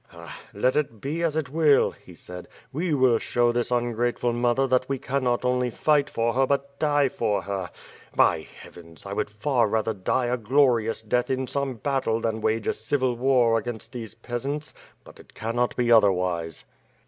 "Ha, let it be as it will," he said, "we will show this un grateful mother that we cannot only fight for her but die for her. By Heavens! I would far rather die a glorious death in some battle than wage a civil war against these peasants — but it cannot be otherwise.